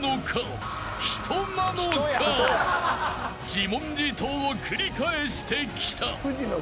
［自問自答を繰り返してきた］